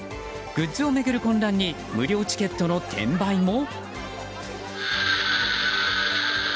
グッズを巡る混乱に無料チケットの転売も。